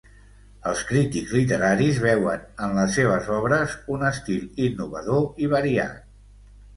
Els crítics literaris veuen en les seves obres un estil innovador i variat.